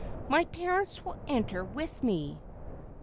My parents will enter with me."